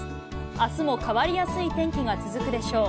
あすも変わりやすい天気が続くでしょう。